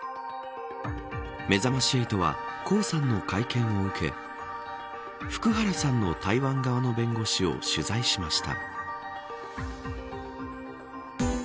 めざまし８は江さんの会見を受け福原さんの台湾側の弁護士を取材しました。